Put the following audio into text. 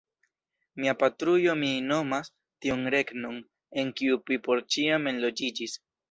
Mia patrujo mi nomas tiun regnon, en kiu mi por ĉiam enloĝiĝis.